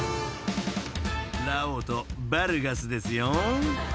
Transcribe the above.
［ラオウとバルガスですよ］